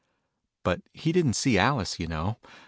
" But he didn't see Alice, you know.